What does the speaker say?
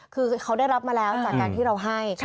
คือเขาได้รับมาแล้วจากการที่เราให้